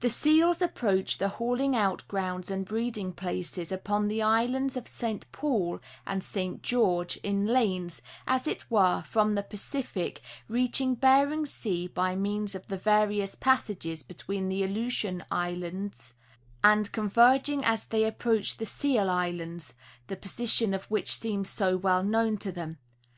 The seals approach the hauling out grounds and breeding places upon the _ islands of St. Paul and St. George in lanes, as it were, from the Pacific, reaching Bering sea by means of the various pas sages between the Aleutian islands, and converging as they approach the Seal islands, the position of which seems so well known to them.